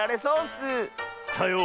さよう。